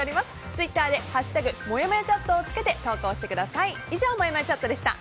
ツイッターで「＃もやもやチャット」をつけて投稿してください。